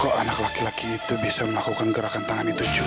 kok anak laki laki itu bisa melakukan gerakan tangan itu